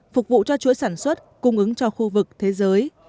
phục vụ cho chuỗi sản xuất cung ứng cho khu vực thế giới